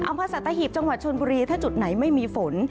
อัมพสัตว์ตะหีบจังหวัดชนบุรีถ้าจุดไหนไม่มีฝน